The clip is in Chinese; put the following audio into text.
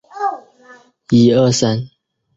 天方国也派遣大臣带方物随七人朝贡。